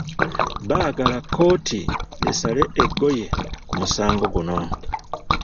Baagala kkooti esale eggoye ku musango guno.